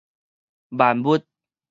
萬物